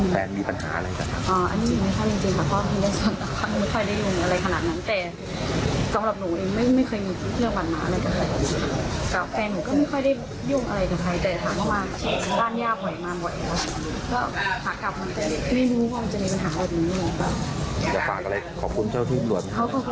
ผมควรจำได้เพราะว่าขอบคุณมากขอบคุณมากครับสพบ้านบึงครับ